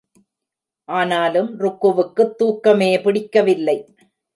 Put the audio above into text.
ஆனாலும் ருக்குவுக்குத் தூக்கமே பிடிக்கவில்லை.